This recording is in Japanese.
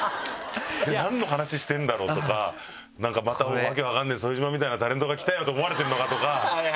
何の話してるんだろう？とか「なんかまた訳の分かんない副島みたいなタレントが来たよ」と思われてるのかとか。